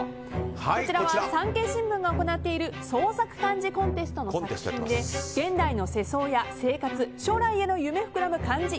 こちらは産経新聞が行っている創作漢字コンテストの作品で現代の世相や生活将来への夢膨らむ漢字